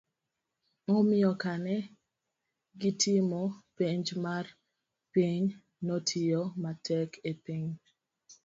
omiyo kane gitimo penj mar piny, notiyo matek e penj